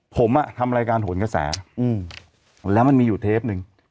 ผมทำรายการโหนกระแสแล้วมันมีอยู่เทปหนึ่ง